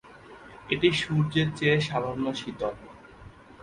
এটি সূর্যের চেয়ে সামান্য শীতল।